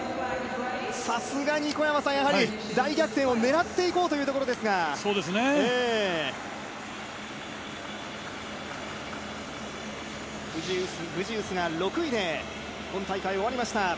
さすがに大逆転をねらって行こうというところですが、グジウスが６位で今大会終わりました。